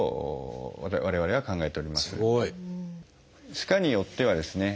歯科によってはですね